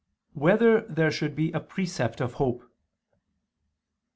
1] Whether There Should Be a Precept of Hope?